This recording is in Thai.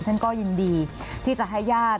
ท่านก็ยินดีที่จะให้ญาติ